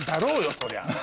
そりゃ。